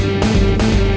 udah bocan mbak